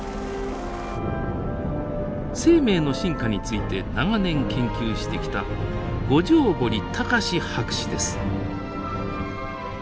生命の進化について長年研究してきた五條堀孝博士です。